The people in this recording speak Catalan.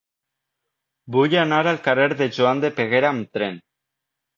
Vull anar al carrer de Joan de Peguera amb tren.